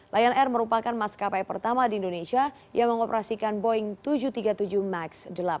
lion air merupakan maskapai pertama di indonesia yang mengoperasikan boeing tujuh ratus tiga puluh tujuh max delapan